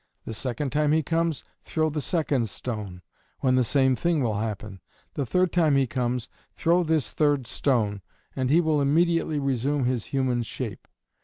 The second time he comes, throw the second stone, when the same thing will happen. The third time he comes, throw this third stone, and he will immediately resume his human shape."